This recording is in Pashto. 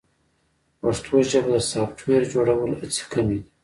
په پښتو ژبه د سافټویر جوړولو هڅې کمې دي.